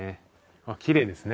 あっきれいですね。